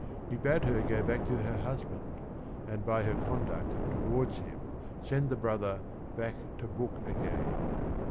He bade her go back to her husband, and by her conduct towards him send the brother "back to book again."